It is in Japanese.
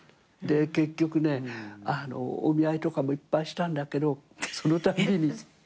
結局ねお見合いとかもいっぱいしたんだけどそのたびに私が父に言うわけ。